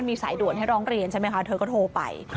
มีสายด่วนให้ร้องเรียนใช่ไหมคะเธอก็โทรไป